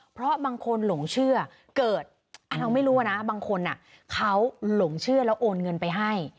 เพราะบางคนหลงเชื่อเกิดเราไม่รู้นะบางคนเขาหลงเชื่อแล้วโอนเงินไปให้